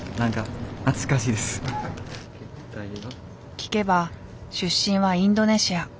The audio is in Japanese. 聞けば出身はインドネシア。